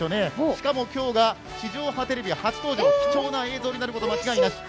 しかも、今日が地上波テレビ初登場、貴重な映像になること間違いなし。